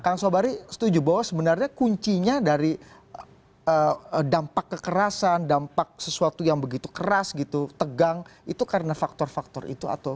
kang sobari setuju bahwa sebenarnya kuncinya dari dampak kekerasan dampak sesuatu yang begitu keras gitu tegang itu karena faktor faktor itu atau